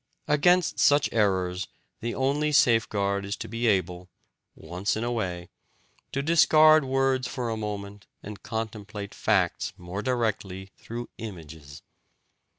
Against such errors, the only safeguard is to be able, once in a way, to discard words for a moment and contemplate facts more directly through images.